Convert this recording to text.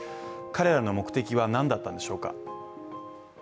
彼らの目的は何だったのでしょうか。